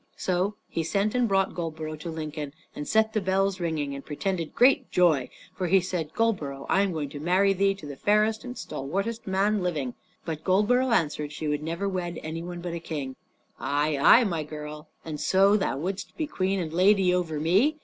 So he sent and brought Goldborough to Lincoln, and set the bells ringing, and pretended great joy, for he said, "Goldborough, I am going to marry thee to the fairest and stalwartest man living." But Goldborough answered she would never wed any one but a king. "Ay, ay, my girl; and so thou wouldst be queen and lady over me?